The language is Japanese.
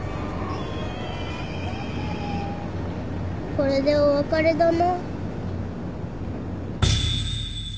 これでお別れだな。